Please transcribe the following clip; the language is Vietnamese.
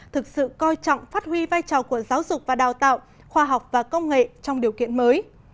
thực sự coi trọng phát huy vai trò của giáo dục và đào tạo khoa học và công nghệ trong điều kiện mới